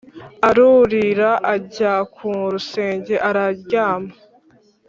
arurira ajya ku rusenge araryama.